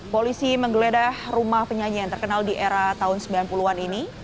polisi menggeledah rumah penyanyi yang terkenal di era tahun sembilan puluh an ini